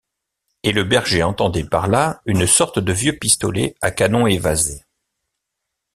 Et le berger entendait par là une sorte de vieux pistolet à canon évasé.